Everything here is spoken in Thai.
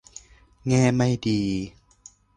แง่ไม่ดี